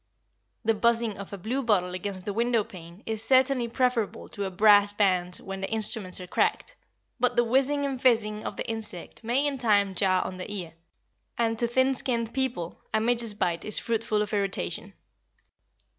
The buzzing of a bluebottle against the window pane is certainly preferable to a brass band when the instruments are cracked, but the whizzing and fizzing of the insect may in time jar on the ear; and to thin skinned people a midge's bite is fruitful of irritation.